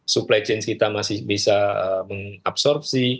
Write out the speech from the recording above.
supply chain kita masih bisa mengabsorpsi